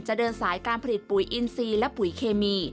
เดินสายการผลิตปุ๋ยอินซีและปุ๋ยเคมี